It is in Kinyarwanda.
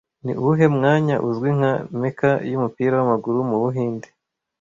Ni uwuhe mwanya uzwi nka 'Meka y'umupira w'amaguru mu Buhinde'